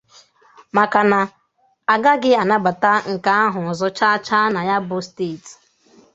maka na a gaghị anabata nke ahụ ọzọ chaa chaa na ya bụ steeti.